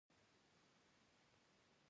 د خولې د بد بوی لپاره د څه شي پاڼې وژويئ؟